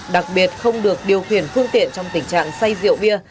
đặc biệt không được điều khiển phương tiện trong tình trạng say rượu bia